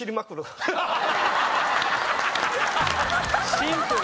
シンプル！